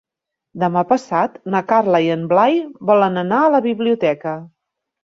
Demà passat na Carla i en Blai volen anar a la biblioteca.